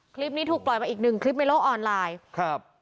คลิปนี้ถูกปล่อยมาอีกหนึ่งคลิปในโลกออนไลน์ครับ